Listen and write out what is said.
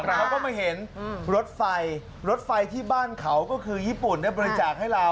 เราก็มาเห็นรถไฟรถไฟที่บ้านเขาก็คือญี่ปุ่นได้บริจาคให้เรา